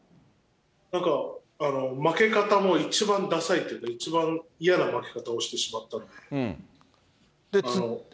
なんか負け方も一番ださいというか、一番嫌な負け方をしてしまったんで。